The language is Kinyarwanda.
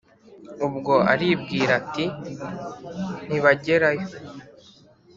Ubwo aribwira ati: "Ntibagerayo